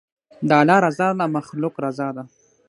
د الله رضا له مخلوقه رضا ده.